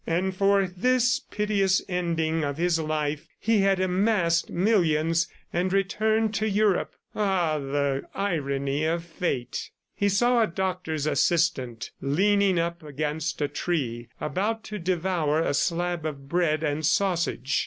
And for this piteous ending of his life he had amassed millions and returned to Europe! ... Ah, the irony of fate! ... He saw a doctor's assistant leaning up against a tree, about to devour a slab of bread and sausage.